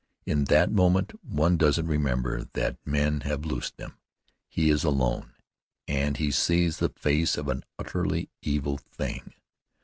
In that moment one doesn't remember that men have loosed them. He is alone, and he sees the face of an utterly evil thing.